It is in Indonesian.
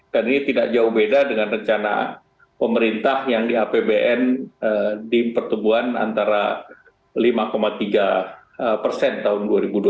dan ini tidak jauh beda dengan rencana pemerintah yang di apbn di pertumbuhan antara lima tiga persen tahun dua ribu dua puluh tiga